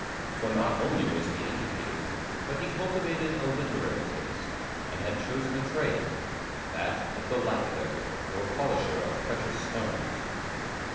For not only was he educated, but he cultivated a literary taste, and had chosen a trade, that of the lapidary, or polisher of precious stones.